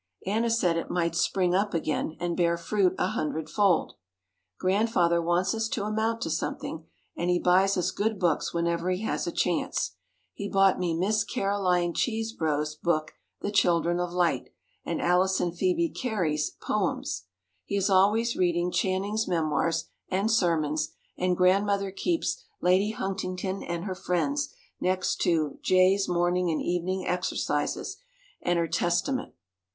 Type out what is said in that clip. Anna said it might spring up again and bear fruit a hundredfold. Grandfather wants us to amount to something and he buys us good books whenever he has a chance. He bought me Miss Caroline Chesebro's book, "The Children of Light," and Alice and Phoebe Cary's Poems. He is always reading Channing's memoirs and sermons and Grandmother keeps "Lady Huntington and Her Friends," next to "Jay's Morning and Evening Exercises" and her Testament.